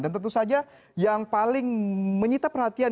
dan tentu saja yang paling menyita perhatian